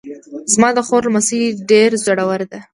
زما د خور لمسی ډېر زړور ده